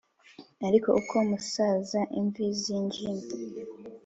Ariko uko umusaza imvi zijimye